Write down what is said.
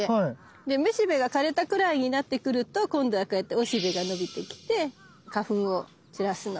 でめしべが枯れたくらいになってくると今度はこうやっておしべが伸びてきて花粉を散らすの。